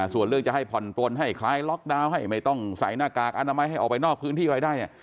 ส่วนเรื่องจะให้ผ่อนปลนให้คล้ายล็อกดาวน์ให้ไม่ต้องใส่หน้ากากอนามัยให้ออกไปนอกพื้นที่อะไรได้เนี่ย